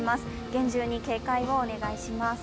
厳重に警戒をお願いします。